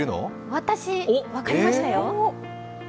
私、分かりましたよ。